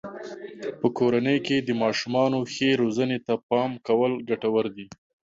په کورنۍ کې د ماشومانو ښې روزنې ته پام کول ګټور دی.